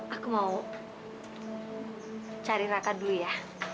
aku mau cari raka dulu ya